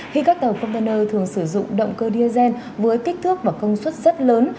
khi các tàu container thường sử dụng động cơ diesel với kích thước và công suất rất lớn